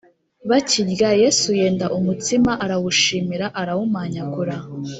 Bakirya Yesu yenda umutsima arawushimira arawumanyagura